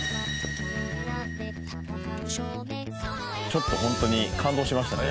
ちょっとホントに感動しましたね。